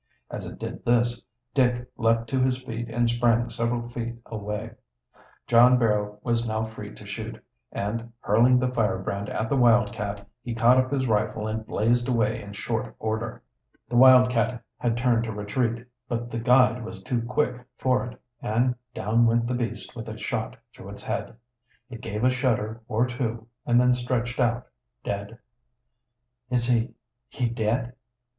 As it did this Dick leaped to his feet and sprang several feet away. [Illustration: DICK AND THE WILDCAT. Rover Boys and the Mountains.] John Barrow was now free to shoot, and hurling the firebrand at the wildcat, he caught up his rifle and blazed away in short order. The wildcat had turned to retreat, but the guide was too quick for it, and down went the beast with a shot through its head. It gave a shudder or two, and then stretched out, dead. "Is he he dead?"